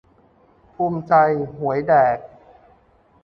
ภูมิใจ หวยแดก